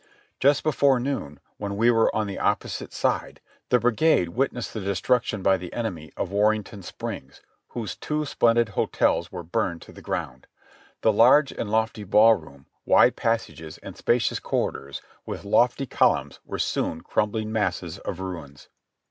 Just before noon, when we were on the opposite side, the brigade witnessed the destruc tion by the enemy of Warrenton Springs, whose two splendid hotels were burned to the ground. The large and lofty ball room, wide passages and spacious corridors with lofty columns were soon crumbling masses of ruins.